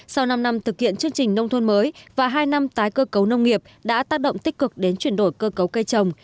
sau năm năm thực hiện chương trình nông thôn mới và hai năm tái cơ cấu nông nghiệp đã tác động tích cực đến chuyển đổi cơ cấu cây trồng